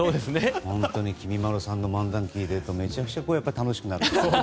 本当に、きみまろさんの漫談を聞いているとめちゃくちゃ楽しくなる。